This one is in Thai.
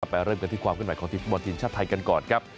ไปเริ่มเมื่อกันที่ความขึ้นหน่อยของทีมผู้มวลทีมชาติไทยก่อนครับ